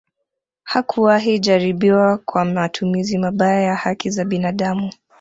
Hakuwahi jaribiwa kwa matumizi mabaya ya haki za binadamu